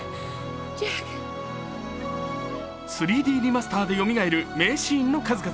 ３Ｄリマスターでよみがえる名シーンの数々。